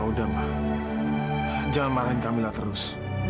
nah sudah ma jangan marahin kamila terus